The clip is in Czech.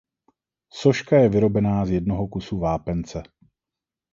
Soška je vyrobená z jednoho kusu vápence.